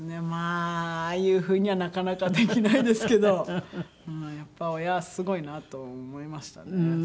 まあああいう風にはなかなかできないですけどやっぱり親はすごいなと思いましたね。